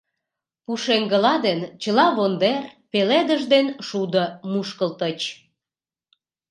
Пушеҥгыла ден чыла вондер, пеледыш ден шудо мушкылтыч.